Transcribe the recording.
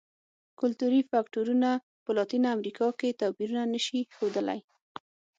کلتوري فکټورونه په لاتینه امریکا کې توپیرونه نه شي ښودلی.